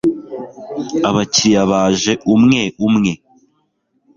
Abakiriya baje umwe umwe